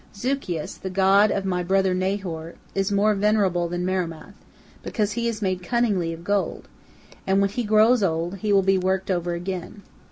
Zucheus, the god of my brother Nahor, is more venerable than Marumath, because he is made cunningly of gold, and when he grows old, he will be worked over again.